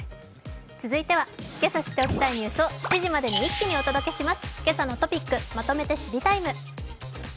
続いてはけさ知っておきたいニュースを７時までに一気にお届けします。